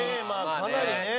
かなりねえ。